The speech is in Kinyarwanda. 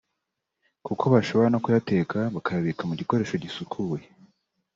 kuko bashobora no kuyateka bakayabika mugikoresho gisukuye